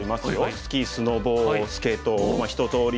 スキースノボスケート一とおり